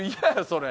それ。